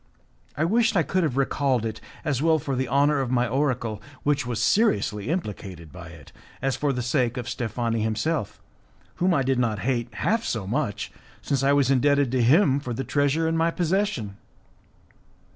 I wished I could have recalled it, as well for the honour of my oracle, which was seriously implicated by it, as for the sake of Steffani himself, whom I did not hate half so much since I was indebted to him for the treasure in my possession.